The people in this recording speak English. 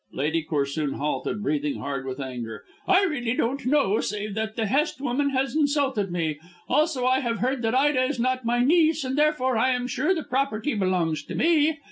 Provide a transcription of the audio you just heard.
Lady Corsoon halted, breathing hard with anger. "I really don't know, save that the Hest woman has insulted me. Also I have heard that Ida is not my niece, and therefore I am sure the property belongs to me.